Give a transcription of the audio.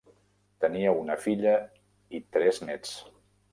Tenia una filla i tres néts.